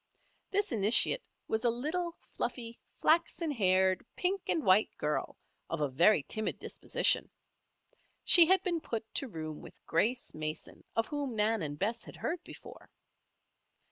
This initiate was a little, fluffy, flaxen haired, pink and white girl, of a very timid disposition. She had been put to room with Grace Mason, of whom Nan and Bess had heard before.